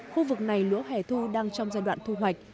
khu vực này lúa hẻ thu đang trong giai đoạn thu hoạch